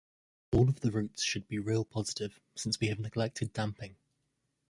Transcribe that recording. All of the roots should be real-positive, since we have neglected damping.